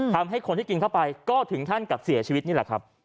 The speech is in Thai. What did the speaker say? ทำให้คนที่กินเข้าไปก็ถึงขั้นกับเสียชีวิตนี่แหละครับ